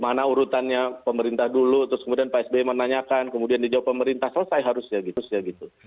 mana urutannya pemerintah dulu terus kemudian pak sby menanyakan kemudian dijawab pemerintah selesai harusnya gitu saja gitu